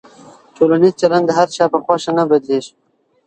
ټولنیز چلند د هر چا په خوښه نه بدلېږي.